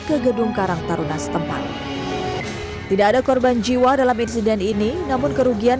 ke gedung karang taruna setempat tidak ada korban jiwa dalam insiden ini namun kerugian